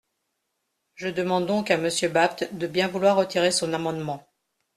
Je demande donc à Monsieur Bapt de bien vouloir retirer son amendement.